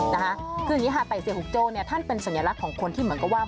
นะคะคืออย่างนี้ค่ะไต่เซียหุกโจ้เนี่ยท่านเป็นสัญลักษณ์ของคนที่เหมือนกับว่า